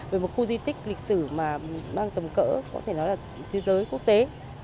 về một khu di tích lịch sử mà mang tầm cỡ có thể nói là thế giới quốc tế